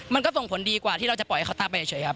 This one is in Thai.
มันก็ส่งผลดีกว่าที่เราจะปล่อยให้เขาตามไปเฉยครับ